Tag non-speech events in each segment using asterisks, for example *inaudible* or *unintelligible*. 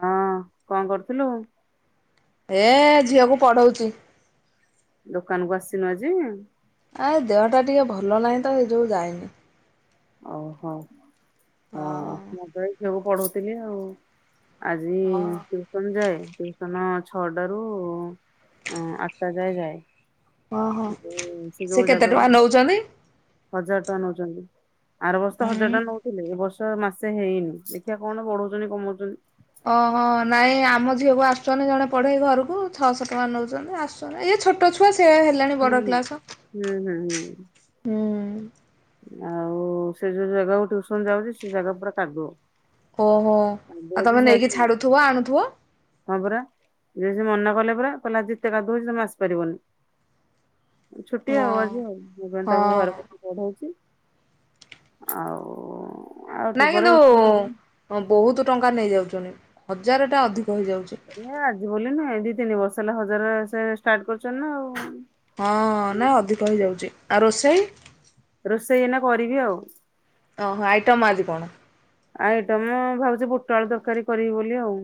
ହଁ କଣ କରୁଥୁଲୁ? ଏ ଝିଅକୁ ପଢ଼ଉଚି। ଦୋକାନ କୁ ଆସିନୁ ଆଜି? ଆ ଦେହଟା ଟିକେ ଭଲ ନାହିଁ ତ ସେଇ ଯୋଗୁ ଯାଇନି। ଓହୋ ହ ହଁ ମୁଁ ତ ଏଇ ଝିଅକୁ ପଢ଼ଉଥିଲି ଆଉ। ଆଜି ହଁ ତୁ ସନ ଯାଏ ଟିଉସନ ଛଅଟା ରୁ ଆଠଟା ଯାଏ ଯାଏ। ଓହୋ ଆଜି ସେ ଯୋଉ କେତେ ଜାଗାକୁ ଟଙ୍କା ଯାଏ ନୋଉଛନ୍ତି? ହଜାର ଟଙ୍କା ନୋଉଛନ୍ତି। ଆର ବର୍ଷ ହଜାର ଟଙ୍କା ନଉଥିଲେ ଏ ବର୍ଷ ମାସେ ହେଇନି ଦେଖିଆ କଣ ବଢଉଛନ୍ତି କମଉଛନ୍ତି। ଓହୋ ନାଇଁ ଆମ ଝିଅକୁ ଆସୁଛନ୍ତି ଜଣେ ପଢ଼େଇ ଘରକୁ ଛଅଶହ ଟଙ୍କା ନୋଉଚନ୍ତି ଆସୁ ଇଏ ଛୋଟ ଛୁଆ ସେଏ ହେଲାଣି ବଡ଼ ହୁଁ କ୍ଲାସ। ହୁଁ ହୁଁ ହୁଁ। ହୁଁ। ଆଉ ସେ ଯୋଉ ଜାଗାକୁ ଟିଉସନ ଯାଉଚି ସେ ଜାଗା ପୁରା କାଦୁଅ। ଓହୋ କାଦୁଅ ଆଉ ଯେ ତମେ ସେ ନେଇକି ଆଜି ଛାଡ଼ୁଥୁବ ଆଣୁଥୁବ। ହଁ ପରା ଯେ ସେ ମନା କଲେ ପରା କହିଲେ ଯେତେ କାଦୁଅ ହେଇଚି ତମେ ଆସି ପାରିବନି। ଛୁଟି ହଁ ଆଉ ଆଜି ଆଉ ମୁ ପେଣି ତାକୁ ହଁ ଘର ବ ପଢ଼ଉ ଆଉ ଆଉ ଦିପରେ ରୋଷେଇ କରିବି। ହଁ ବୋହୁତୁ ଟଙ୍କା ନେଇଯାଉଛନ୍ତି ହଜାର ଟା ଅଧିକ ହେଇଯାଉଚି। ହେ ଆଜି ବୋଲି ନୁଏ ଦି ତିନି ବର୍ଷ ହେଲା ହଜାର ସେ ଷ୍ଟାର୍ଟ କରିଛନ୍ତି ନା ଆଉ। ହଁ ନା ଅଧିକ ହେଇଯାଉଚି ଆ ରୋଷେଇ? ରୋଷେଇନା କରିବି ଆଉ। ଓହୋ ଆଇଟମ୍ ଆଜି କଣ? ଆଇଟମ ଭାବୁଛି ବୁଟ ଆଳୁ ତରକାରୀ କରିବି ବୋଲି ଆଉ।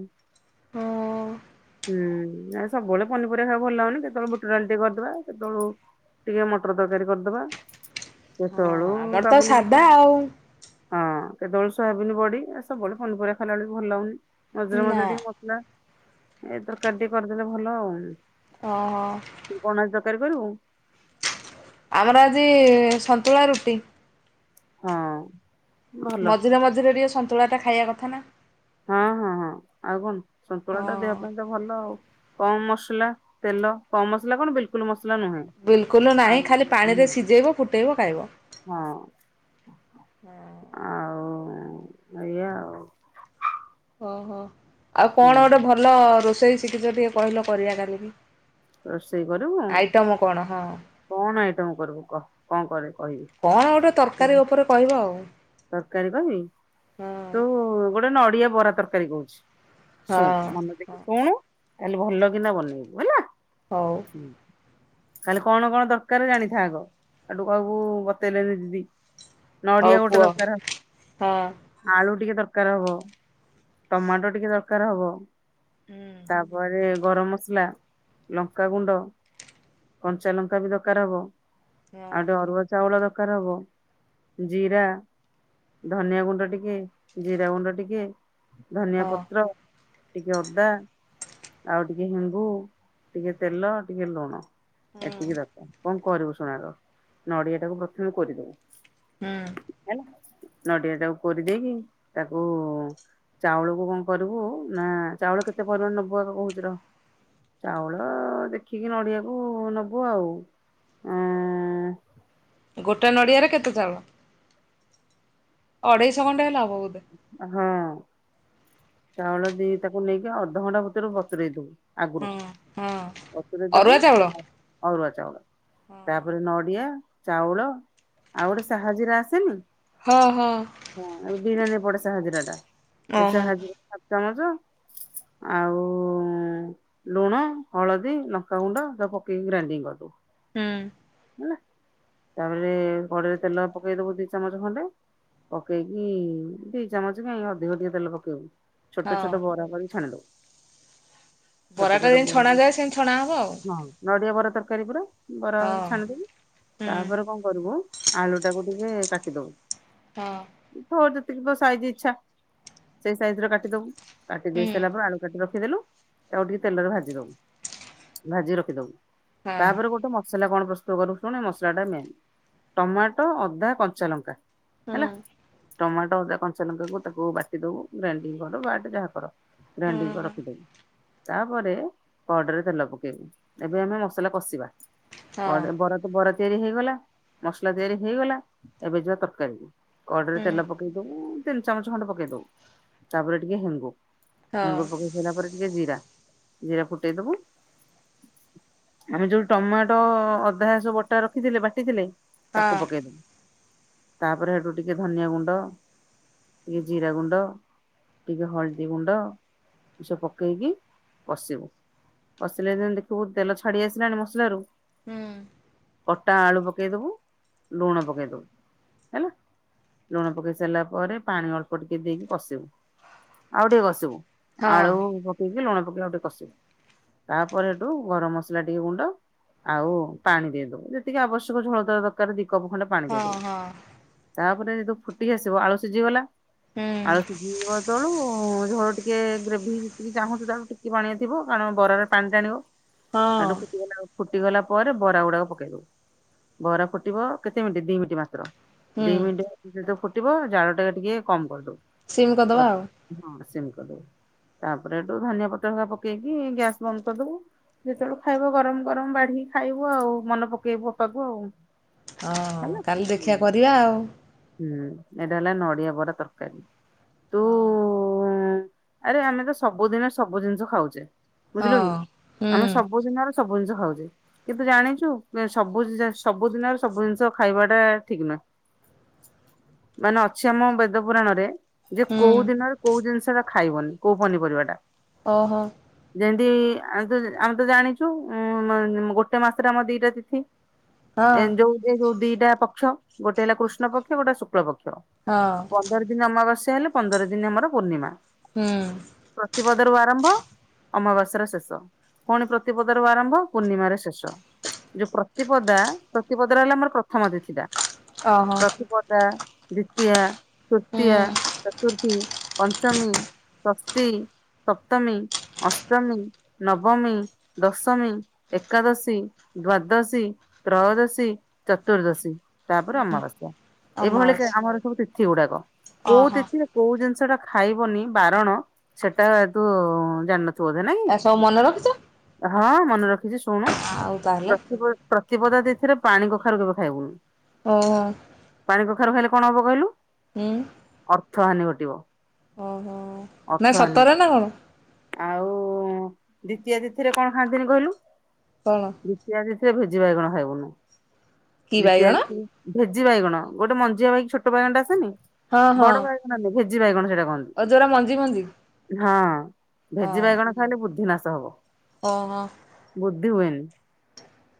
ହଁ। ହୁଁ ଆ ସବୁବେଳେ ପନିପରିବା ଖାଇବା ଭଲ ହଉନି କେତେବେଳେ ବୁଟ ଡାଲି ଟିକେ କରିଦବା କେତେବେଳୁ ଟିକେ ମଟର ତରକାରୀ କରିଦବା, ହଁ କେତେବେଳୁ ଆମର ତ ସାଧା କାବୁଲୁବୁଟ। ଆଉ ହଁ କେତେବେଳୁ ସୋୟାବିନ ବଡି ଏ ସବୁବେଳେ ପନିପରିବା ଖାଇଲାବେେଳେ ଭଲ ଲାଗୁନି, ମଝିରେ ନା ମଝିରେ ଟିକେ ମ ନା। ଏ ତରକାରୀ ଟିକେ କରିଦେଲେ ଭଲ ଆଉ। ଓହୋ। ପଣସ ତରକାରୀ କରିବୁ? ଆମର ଆଜି ସନ୍ତୁଳା ରୁଟି। ହଁ। ଭଲ ମଝିରେ ମଝିରେ ଟିକେ ସନ୍ତୁଳା ଟା ଖାଇବା କଥା ନା। ହଁ ହଁ ହଁ ଆଉ କଣ ସନ୍ତୁଳା ଟା ଦେହ ହଁ ପାଇଁ ତ ଭଲ ଆଉ। କମ ମସଲା, ତେଲ କମ ମସଲା କଣ ବିଲକୁଲ ମସଲା ନୁହେଁ। ବିଲକୁଲ ଆଉ ନାହିଁ ଖାଲି ନା। ପାଣିରେ ସିଝେଇବ ଫୁଟେଇବ ଖାଇବ। ହଁ ଆଉ ଏଇଆ ଆଉ। ଓହୋ ଆଉ ହୁଁ କଣ ଗୋଟେ ଭଲ ରୋଷେଇ ଶିକଷ ଟିକେ କହିଲ କରିବା କାଲିିକି। ରୋଷେଇ କରିବୁ ଆଇଟମ କଣ ହଁ? କଣ ଆଇଟମ କରିବୁ କହ, କଣ କର କହିବି? କଣ ଗୋଟେ ତରକାରୀ ଉପରେ କହିବ ଆଉ। ତରକାରୀ କହିବି ହଁ ତୁ ଗୋଟେ ନଡିଆ ବରା ତରକାରୀ କହୁଚି। ହଁ ଶୁଣୁ ମନେ ହଁ ଦେକି ଶୁଣୁ ତାହଲେ ଭଲ କିିନା ବନେଇବୁ ହେଲା। ହଉ। ହୁଁ। ଖାଲି କଣ କଣ ଦରକାର ଜାଣିଥା ଆଗ ହେଠୁ କହିବୁ ବତେଇଲେନି ଦିଦି। ନଡିଆ ହଉ କୁହ ଗୋଟେ ଦରକାରେ। ହଁ ଆଳୁ ଟିକେ ଦରକାର ହବ, ଟମାଟୋ ଟିକେ ଦରକାର ହବ। ହୁଁ ତାପରେ ଗରମ ମସଲା। ଲଙ୍କାଗୁଣ୍ଡ କଞ୍ଚା ଲଙ୍କା ବି ଦରକାର ହବ ଆଉ ହଁ। ଗୋଟେ ଅରୁଆ ଚାଉଳ ଦରକାର ହବ ଜିରା। ଧନିଆ ଗୁଣ୍ଡ ଟିକେ ଜିରା ଗୁଣ୍ଡ ଟିକେ। ଧନିଆ ହଁ ପତ୍ର, ଟିକେ ଅଦା ଆଉ ଟିକେ ହେଙ୍ଗୁ ଟିକେ ତେଲ ଟିକେ ଲୁଣ ଏତିକି ଦରକାରେ, କଣ୍ କରିବୁ ଶୁଣ୍ ଆଗ ନଡିଆ ଟାକୁ ପ୍ରଥମେ କୋରିଦବୁ। ହୁଁ। ହେଲା ନଡିଆ ଟାକୁ କୋରି ଦେଇକି ତାକୁ ଚାଉଳକୁ କଣ କରିବୁ ନା ଚାଉଳ କେତେ ପରିମାଣ ନବୁ ଆଗ କହୁଚି ରହ। ଚାଉଳ ଦେଖିକି ନଡିଆକୁ ନବୁ ଆଉ, ଏଁ ଗୋଟେ ନଡ଼ିଆରେ କେତେ ଚାଉଳ? ଅଢ଼େଇଶ ଖଣ୍ଡେ ହେଲେ ହବ ବଧେ। ହଁ ଚାଉଳ ଦି ତାକୁ ନେଇକି ଅଧଘଣ୍ଟା ଭିତରୁ ବତୁରେଇ ଦବୁ। ଆଗରୁ ହଁ ହଁ ବତୁରେଇ ଦବୁ ଅରୁଆ ଚାଉଳ? ଅରୁଆ ଚାଉଳ ତାପରେ ନଡ଼ିଆ, ଚାଉଳ ଆଉ ଗୋଟେ ସାହାଜିରା ଆସେନି? ହଁ -ହଁ। ହଁ ଏ ବିରିୟାନୀ ରେ ପଡ଼େ ସାହାଜିରା ଟା ଏ ଓହୋ ସାହାଜିରା ହାପ୍ ଚାମଚ ଆଉ ଲୁଣ, ହଳଦୀ, ଲଙ୍କାଗୁଣ୍ଡ ତାକୁ ପକେଇକି ଗ୍ରାଇଣ୍ଡିଙ୍ଗ୍ କରିଦବୁ। ହୁଁ। ହେଲା ତାପରେ କଡ଼େଇରେ ତେଲ ପକେଇ ଦବୁ ଦି ଚାମଚ ଖଣ୍ଡେ ପକେଇକି ଦି ଚାମଚ କାଇଁ ଅଧିକ ଟିକେ ତେଲ ପକେଇବୁ। ଛୋଟ ହଁ ଛୋଟ ବରା କରିକି ଛାଣିଦବୁ। ଛୋଟ ବରାଟା ଯେନ୍ତି ଛଣା ଯାଏ ସେମିତି ଛଣା ହବ ଆଉ। ନଡ଼ିଆ ବରା ତରକାରୀ ପରା ବରା ଆଉ ଛାଣିଦବୁ ହଁ ହୁଁ ତାପରେ କଣ କରିବୁ ଆଳୁ ଟାକୁ ଟିକେ କାଟିଦବୁ ହଁ। ତୋର୍ ଯେତିକି ତ ସାଇଜ୍ ଇଚ୍ଛା ସେଇ ସାଇଜ୍ ର କାଟିଦବୁ କାଟି ଦେଇ ହୁଁ ସାରିଲା ପରେ ଆଳୁ କାଟି ର ଖିଦେଲୁ ଆଉ ଟିକେ ତେଲରେ ଭାଜି ଦବୁ ଭାଜି ରଖିଦବୁ ହଁ ତାପରେ ଗୋଟେ ମ ସଲା କଣ ପ୍ରସ୍ତୁତ କରୁ ଶୁଣୁ ଏ ମସଲା ଟା ମେନ୍ ଟମାଟୋ, ଅଦା, କଞ୍ଚା ଲଙ୍କା ହୁଁ ହେଲା ଟମାଟୋ, ଅଦା, କଞ୍ଚା ଲଙ୍କା କୁ ତାକୁ ବାଟି ଦବୁ ଗ୍ରାଇଣ୍ଡିଙ୍ଗ୍ କର ବାଟେ ଯାହା କର ହୁଁ ଗ୍ରାଇଣ୍ଡିଙ୍ଗ୍ କରି ରଖିଦବୁ। ତାପରେ କଡ଼େଇରେ ତେଲ ପକେଇବୁ ଏବେ ଆମେ ମସଲା କଷିବା। ହଁ ବର୍ ବରା -ବରା ତ ବରା ତିଆରି ହେଇଗଲା ମସଲା ତିଆରି ହେଇଗଲା ଏବେ ଯିବା ତରକାରୀ କୁ କଡ଼େଇରେ ହୁଁ ତେଲ ପକେଇ ଦବୁ ତିନି ଚାମଚ ଖଣ୍ଡେ ପକେଇ ଦବୁ ତାପରେ ଟିକେ ହେଙ୍ଗୁ ହଁ ହଁ ହୁଁ ହଁ ହେଙ୍ଗୁ ପକେଇ ସାରିଲା ପରେ ଟିକେ ଜିରା- ଜିରା ଫୁଟେଇଦବୁ ଆମେ ଯଉ ଟମାଟୋ ଅଧା ସବୁ ବଟା ରଖିଥିଲେ ବାଟିଥିଲେ ତାକୁ ହଁ ପକେଇଦବୁ ତାପରେ ହେଟୁ ଟିକେ ଧନିଆ ଗୁଣ୍ଡ ଟିକେ ଜିରା ଗୁଣ୍ଡ ଟିକେ ହଳଦୀ ଗୁଣ୍ଡ ଏମିତି ସବୁ ପକେଇକି କସିବୁ କଶିଲେ ଯେମିତି ଦେଖିବୁ ତେଲ ଛାଡ଼ି ଆସିଲାଣି ମସଲାରୁ ହୁଁ। କଟା ଆଳୁ ପକେଇଦବୁ ଲୁଣ ପକେଇଦବୁ ହେଲା। ଲୁଣ ପକେଇ ସାରିଲା ପରେ ପାଣି ଅଳ୍ପ ଟିକେ ଦେଇକି କଷିବୁ ଆଉ ଟିକେ କଷିବୁ ଆଳୁ ପ ପକେଇକି ଲୁଣ ପକେଇ ଆଉ ଟିକେ କଷିବୁ ତାପରେ ହେଟୁ ଗରମ୍ ମସଲା ଟିକେ ଗୁଣ୍ଡ ଆଉ ପାଣି ଦେଇଦବୁ ଯେତିକି ଆବଶ୍ୟକ ଝୋଳ ତର ଦରକାରେ ଦି କପ୍ ଖଣ୍ଡେ ପାଣି ହଁ ଦେଇଦବୁ। ତାପରେ ଯେହେତୁ ଫୁଟି ଆସିବ ଆଳୁ ସିଜିଗଲା ହୁଁ ଆଳୁ ସିଜିଜିବ ଯେତେବେଳୁ ଝୋଳ ଟି ଟିକେ ଗ୍ରେଭି ଯେତିକି ଚାହୁଁଚୁ ତାକୁ ଟିକେ ପାଣିଆ ଥିବ କାରଣ ବରାରେ ପାଣି ଟାଣିବ ହଁ କାଠୁ ଫୁଟିଗଲା ଆଉ ଫୁଟିଗଲା ପରେ ବରା ଗୁଡ଼ାକ ପକେଇ ଦବୁ ବରା ଫୁଟିବ କେତେ ମିଣ୍ଟି ଦି ମିନିଟ୍ ମାତ୍ର ଦି ହୁଁ ମିଣ୍ଟି ଯେତେ ଫୁଟିବ ଜାଳ ଟା ଟିକେ କମ୍ କରିଦବୁ। ସିମ୍ କରିଦବା ଆଉ ହଁ ସିମ୍ କରିଦବୁ ତାପରେ ଏଠୁ ଧନିଆ ପତ୍ରହେରୀକା ପକେଇକି ଗ୍ୟାସ ବନ୍ଦ କରିଦବୁ। ଯେତେବେଳୁ ଖାଇବ ଗରମ ଗରମ ବାଢ଼ିକି ଖାଇବୁ ଆଉ ମନେ ପକେଇବୁ ଅପାକୁ ଆଉ ହଁ ହେଲା। କାଲି ଦେଖିବା କରିବା ଆଉ। ହୁଁ ଏଇଟା ହେଲା ନଡ଼ିଆ ବରା ତରକାରୀ ତୁ ଆରେ ଆମେ ତ ସବୁଦିନରେ ସବୁ ଜିନିଷ ଖାଉଛେ ବୁଝିଲ କି ହଁ ହୁଁ ଆମେ ସବୁଦିନର ସବୁ ଜିନିଷ ଖାଉଛେ। କିନ୍ତୁ ଜାଣିଛୁ ସବୁ ଜି ସବୁ ଦିନରେ ସବୁ ଜିନିଷ ଖାଇବା ଟା ଠିକ ନୁହେଁ। ମାନେ ଅଛି ଆମ ବେଦ ପୁରାଣରେ। ଯେ ହୁଁ କୋଉ ଦିନରେ କୋଉ ଜିନିଷ ଟା ଖାଇବନି କୋଉ ପନିପରିବା ଟା। ଓହୋ। ଯେମିତି ଆମେ ତ ଆମେ ତ ଜାଣିଛୁ ଉଁ ଗୋ ଗୋଟେ ମାସରେ ଆମର ଦିଟା ତିଥି ହଁ ଏ ଯୋଉ ଏଇ ଯୋଉ ଦିଟା ପକ୍ଷ ଗୋଟେ ହେଲା କୃଷ୍ଣ ପକ୍ଷ ଗୋଟେ ଶୁକ୍ଳ ପକ୍ଷ। ହଁ। ପନ୍ଦର ଦିନ ଅମାବାସ୍ୟା ହେଲେ ପନ୍ଦର ଦିନ ଆମର ପୂର୍ଣ୍ଣିମା। ହୁଁ ପ୍ରତିିପଦରୁ ଆରମ୍ଭ। ଅମାବାସ୍ୟର ଶେଷ ପୁଣି ପ୍ରତିପଦରୁ ଆରମ୍ଭ ପୂର୍ଣ୍ଣିମାର ଶେଷ। ଯୋଉ ପ୍ରତିପଦା ପ୍ରତିପଦ ର ହେଲା ଆମର ପ୍ରଥମ ତିଥିଟା। ଅହ ପ୍ରତିପଦା ଦ୍ଵିତୀୟ ହୁଁ ତୃତୀୟା ହୁଁ ଚତୁର୍ଥୀ ପଞ୍ଚମୀ। ଷଷ୍ଠୀ। ସପ୍ତମୀ ଅଷ୍ଟମୀ ନବମୀ ଦଶମୀ ଏକାଦଶ। ଶୀ ଦ୍ଵାଦଶୀ ତ୍ରୟୋଦଶୀ ଚତୁର୍ଦ୍ଦଶୀ ତାପରେ ଅମାବାସ୍ୟା। ଏଭଳି କେ ଅମାବାସ୍ୟା ଆମର ସବୁ ତିଥି ଗୁଡାକ କୋଉ ଓହୋ ତିଥିରେ କୋଉ ଜିନିଷ ଟା ଖାଇବନି ବାରଣ ସେଟାତୁ ଜାଣିନଥିବୁ ବୋଧେ ନାଇଁ। ଏରା ସବୁ ମନେ ରଖିଛ। ହଁ ମନେ ରଖିଛି ଶୁଣୁ। ଆଉ ତାହେଲେ ପ୍ରତିପ ପ୍ରତିପଦା ତିଥିରେ ପାଣି କଖାରୁ କେବେ ଖାଇବୁନି। ଓ ହୋ ପାଣି କଖାରୁ ଖାଇଲେ କଣ ହବ କହିଲୁ? ଉଁ ଅର୍ଥ ହାନି ଘଟିବ। ଉଁ ହୁଁ ନାଇଁ ଅଥନୁ ସତରେ ନା କଣ? ଆଉ ଦ୍ଵିତୀୟା ତିଥିରେ କଣ ଖାଆନ୍ତିନି କହିଲୁ। କଣ? ଦ୍ଵିତୀୟା ତିଥିରେ ଭେଜି ବାଇଗଣ ଖାଇବୁନୁ କି ଦ୍ୱିତୀୟା ବାଇଗଣ ତିଥିରେ ଭେଜି ବାଇଗଣ ଗୋଟେ ମଞ୍ଜିଆ ବାଇକ ଛୋଟ ବଗଣଟେ ଆସେନି ବଡ ବାଇଗଣ ନେ ଭେଜି ବାଇଗଣ ସେଇଟା କହନ୍ତି। ଆଉ ଯୋଉରା ମଞ୍ଜି ମଞ୍ଜି। ହଁ ଭେଜି ବାଇଗଣ ଖାଇଲେ ବୁଦ୍ଧି ନାଶ ହବ। ଓହଁ। ବୁଦ୍ଧି ହୁଏନି।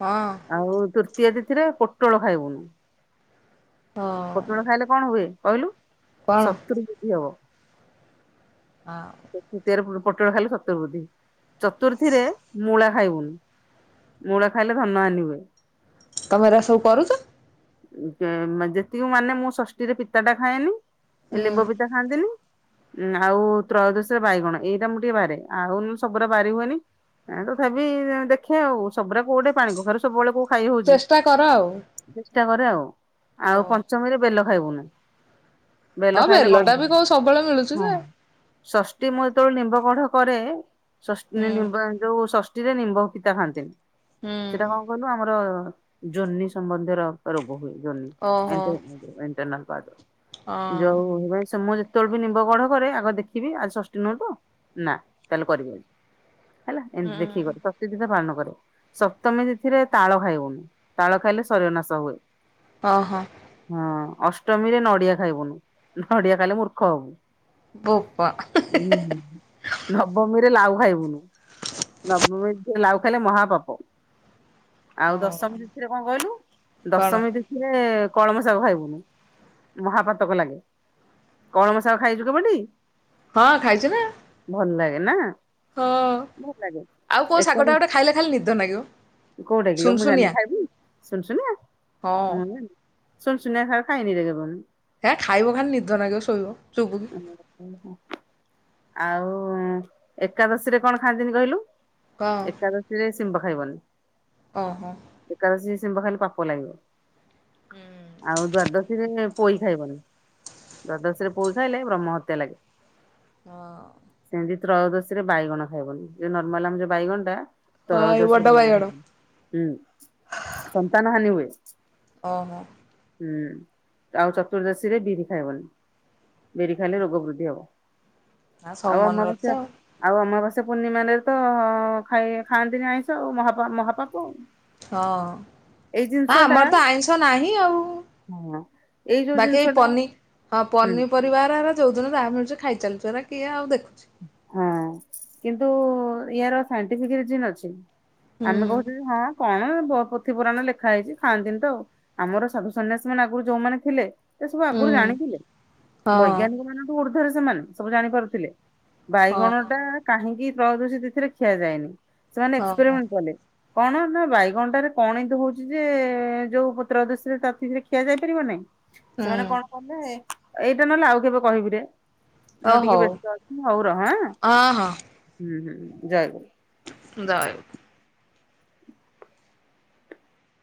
ହଁ। ଆଉ ତୃତୀୟ ତିଥିରେ ପୋଟଳ ଖାଇବୁନୁ। ହଁ। ପୋଟଳ ଖାଇଲେ କଣ ହୁଏ କହିଲୁ କଣ ଶତ୍ରୁ ବୁଧି ହବ। ହଁ। ତୃତୀୟାରେ ପୋଟଳ ଖାଇଲେ ଶତ୍ରୁ ବୃଦ୍ଧି ଚତୁର୍ଥୀରେ ମୂଳା ଖାଇବୁନୁ। ମୂଳା ଖାଇଲେ ଧନ ହାନି ହୁଏ। ତମେ ଏରା, ସବୁ କରୁଚ। ଅ, ତ ମା-ଯେତିକି ମାନେ ମୁଁ ଷଷ୍ଠୀ ରେ ପିତା ଟା ଖାଏନି। ଏ ହୁଁ ଲିମ୍ବ ପିତା ଖାଆନ୍ତିନି ଉଁ, ଆଉ ତ୍ରୟୋଦଶୀ, ରେ ବାଇଗଣ। ଏଇଟା ମୁଁ, ଟିକେ ବାରେ ଆଉ ନୁ ସବୁଗୁରା ବାରି ହୁଏନି। ଏଁ ତଥାପି ଦେଖେ ଆଉ, ସବୁୁରା କୋଉଠି ପାଣି କଖାରୁ ସବୁବେଳେ କୋଉ ଖାଇ ହଉଛି। ଚେଷ୍ଟା କର ଆଉ ଚେଷ୍ଟା କରେ ଆଉ। ଆଉ ହଁ ପଞ୍ଚମୀ ରେ ବେଲ ଖାଇବୁନି। ବେଲ ହଁ ଖାଇଲେ ବେଲଟା ବି କରନ୍ତିନି କୋଉ ସବୁବେଳେ ମିଳୁଛି ହଁ, ଯେ ହଁ। ଷଷ୍ଠୀ ମୁଁ ଯେତେବେଳେ ନିମ୍ବ କଢ଼ କରେ, ଷଷ୍ଠୀ ହୁଁ। ନିମ୍ବ ଯୋଉ ଷଷ୍ ଟୀ ରେ ନିମ୍ବ ପିତା ଖାଆନ୍ତିିନି, ହୁଁ ସେଟା କଣ କହି ଲୁ ଆମର ଜୋନି ସମ୍ବନ୍ଧର ରୋଗ ହୁଏ। ଜୋନି ଓହୋ ଏମତି *inaudible* ଏ ଇଣ୍ଟରନା ପାର୍ଟ, ହଁ। ଯୋଉ ଯୋଉ *unintelligible* ଯେତେବେଳେ ବି ନିମ୍ବ, କଢ଼ କରେ ଆଗ ଦେଖିବି ଆଜି ଷଷ୍ ଟି ନୁହେନ୍ତ, ନା ତାହେଲେ କରିବି ଆଜି। ହେଲା, ଏମିତି ଦେଖିକି ହୁଁ। କରି, ତ ତିଥି ଟା ପାଳନ କରେ। ସପ୍ତମୀ ତିଥିରେ ତାଳ ଖାଇବୁନି, ତାଳ ଖାଇଲେ ଶରୀର ନାଶ ହୁଏ। ଓ ହୋ। ହଁ ଅଷ୍ଟମୀ ରେ ନଡିଆ ଖାଇବୁନି। ନଡିଆ ଖାଇଲେ ମୂର୍ଖ ହବୁ। ବୋପା। ଉଁ, ହୁଁ, ହୁଁ, ନବମୀ ରେ ଲାଉ ଖାଇବୁନି। ନବମୀ ତିଥି ରେ ଲାଉ ଖାଇଲେ ମହାପାପ। ଆଉ ହଁ ଦଶମୀ ତିଥିରେ କଣ କହିଲୁ? କଣ ଦଶମୀ ତିଥ ଥିରେ କଳମ ଶାଗ ଖାଇବୁନି। ମହାପାତକ ଲାଗେ। କଲମ ଶାଗ ଖାଇଛୁ କେବେ ଟି? ହଁ ଖାଇଛି ନା। ଭଲ ଲାଗେ ନା? ହଁ ଭଲ ଲାଗେ ଆଉ କୋଉ ଏକାଦଶୀ ଶାଗଟା ଗୋଟେ ଖାଇଲେ ଖାଲି ନିଦ ନାଗିବ? କୋଉଟା କି ଲୋ, ମୁଁ ଜାଣିନି ସୁନସୁନିଆ ଖାଇବି, ସୁନସୁନିଆ? ହଁ। ମୁ ଜାଣିନି। ସୁନଶୁନିଆ ଶାଗ ଖାଇନି କେବେ ମୁହିଁ। ହେ ଖାଇବ ଖାଲି ନିଦ ନାଗିବ ଶୋଇବ। ଚୁବୁକି ଆମର ଖାଇଲେ କଣ? ଆଉ ଅଁ, ଏକାଦଶୀରେ କଣ ଖାଆନ୍ତିନି କହିଲୁ? ହଁ ଏକାଦଶୀ ରେ ଶିମ୍ବ ଖାଇବନି। ଓ ହଁ। ଏକାଦଶୀ ରେ ସିମ୍ବ ଖାଇଲେ ପାପ ଲାଗିବ। ହୁଁ। ଆଉ ଦ୍ଵାଦଶୀ ରେ ପୋଇ ଖାଇବନି। ଦ୍ଵାଦଶୀରେ ପୋଇ ଖାଇଲେ ବ୍ରହ୍ମହତ୍ୟା ଲାଗେ। ହଁ। ସେମିତି ତ୍ରୟୋଦଶୀ ରେ ବାଇଗଣ ଖାଇବନି। ଯୋଉ ନର୍ମାଲ୍ ଆମ ଯୋଉ ବାଇଗଣ ଟା। ହଁ ଏଇ ତ୍ରୟୋଦଶୀରେ ବଡ଼ ବାଇଗଣ। ହୁଁ, ସନ୍ତାନ ହାନି ହୁଏ। ହଁ, ହଁ। ହୁଁ, ଆଉ ଚତୁର୍ଦ୍ଦଶୀ ରେ ବିରି ଖାଇବନି। ବିରି ଖାଇଲେ ରୋଗ ବୃଦ୍ଧି ହବ। ଆ ସବୁ ଆଉ ମନେ ରଖିଛ ଅମାବାସ୍ୟା ଆଉ ହଁ। ଆଉ ଅମାବାସ୍ୟା ପୁର୍ଣ୍ଣିମା ରେ ତ ଖାଇ ଖାଆନ୍ତିନି ଆଇଁଷ ଆଉ ମହାପା ମହାପାପ। ହଁ ଏଇ ଜିନିଷ ହଁ ଟା ଆମର ତ ଆଇଁଷ ନାହିଁ ଆଉ। ହଁ ଯୋଉ ବାକି ଜିନିଷ ଏଇ ଟା ପନି ହଁ ହୁଁ ପନି ପରିବା ହେରା ହେରା ଯୋଉଦିନ ଯାହା ମିଳୁଛି ଖାଇଚାଲିଚୁ ଆମେ, କିଏ ଆଉ ଦେଖୁଛି। ହଁ କିନ୍ତୁ, ଇଆର ସାଇଣ୍ଟିଫିକ୍ ରିଜିନ୍ ଅଛି। ଆମେ ହୁଁ କହୁଛୁ ଯେ ହଁ କଣ ବହୁତ୍ ପୋଥି ପୁରାଣ ରେ ଲେଖା ହୋଇଛି। ଖାଆନ୍ତିନି ତ ଆଉ ଆମର ସାଧୁ ସନ୍ନ୍ୟାସୀ ମାନେ ଆଗରୁ ଯଉ ମାନେ ଥିଲେ ସେ ସବୁ ଆଗରୁ ହୁଁ ଜାଣିଥିଲେ ହଁ ବୈଜ୍ଞାନିକ ମାନ ଠୁ ଉର୍ଦ୍ଧରେ ସେମାନେ ସବୁ ଜାଣିପାରୁଥିଲେ। ବାଇଗଣ ହଁ ଟା କାହିଁକି ତ୍ରୟୋଦଷୀ ତିଥିରେ ଖିଆ ଯାଏନି ସେମାନେ ହଁ ହଁ ଏକ୍ସପେରିମେଣ୍ଟ କଲେ। କଣ ନା ବାଇଗଣଟାରେ କଣ ଏ ହଉଛି ଯେ ଯୋଉ ତ୍ରୟୋଦସି ତାଥିରେ ଖିଆ ଯାଇ ପାରିବ ନାଇଁ। ହଁ ସେମାନେ ହୁଁ କଣ କଲେ ଏଇଟା ନହେଲେ ଆଉ କେବେ କହିବି ରେ ଓ ମୁଁ ଟିକେ ହଉ ବ୍ୟସ୍ତ ଅଛି। ହଉ ରହ ଆ ହଁ ହଁ ହୁଁ ହୁଁ ଜୟେ ଗୁରୁ। ଯୟେ ଗୁ